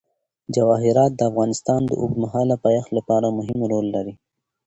جواهرات د افغانستان د اوږدمهاله پایښت لپاره مهم رول لري.